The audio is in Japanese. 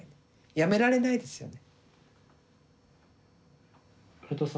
辞められないですよね。